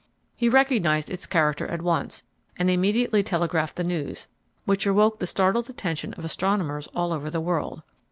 He recognized its character at once, and immediately telegraphed the news, which awoke the startled attention of astronomers all over the world.